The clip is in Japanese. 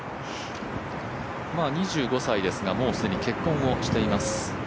２５歳ですがもう既に結婚をしています。